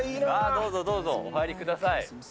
どうぞどうぞ、お入りください。